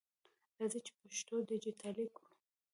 راځئ چې پښتو ډیجټالي کړو!